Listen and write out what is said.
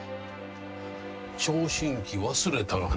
聴診器忘れたがな。